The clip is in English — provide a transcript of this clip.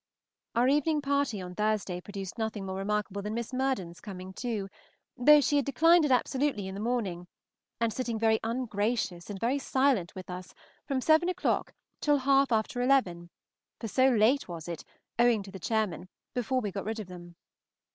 Our evening party on Thursday produced nothing more remarkable than Miss Murden's coming too, though she had declined it absolutely in the morning, and sitting very ungracious and very silent with us from seven o'clock till half after eleven, for so late was it, owing to the chairmen, before we got rid of them.